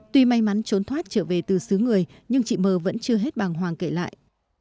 tuy may mắn trốn thoát trở về từ xứ người nhưng chị mờ vẫn chưa hết bàng hoàng kể lại